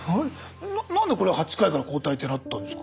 何でこれ８回から交代ってなったんですか？